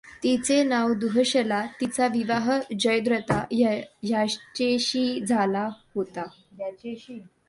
तिचे नाव दुःशला तिचा विवाह जयद्रथ ह्याचेशी झाला होता.